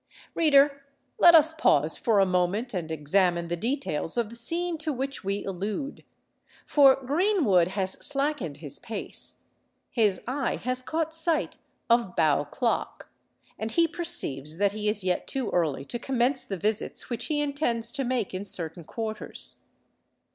Reader, let us pause for a moment and examine the details of the scene to which we allude: for Greenwood has slackened his pace—his eye has caught sight of Bow clock—and he perceives that he is yet too early to commence the visits which he intends to make in certain quarters.